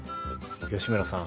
吉村さん